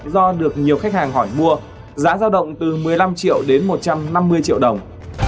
do được nhiều khách hàng hỏi mua giá giao động từ một mươi năm triệu đến một trăm năm mươi triệu đồng